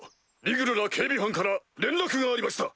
リグルら警備班から連絡がありました。